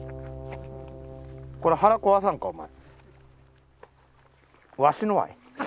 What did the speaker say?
これ腹壊さんかお前。